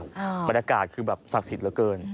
บรรยากาศคือแบบศักดิ์สิทธิ์เหลือเกิน